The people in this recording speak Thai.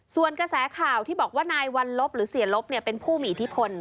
ส่วนกระแสข่าวที่บอกว่านายวัลลบหรือเสียลบเป็นผู้มีอิทธิพล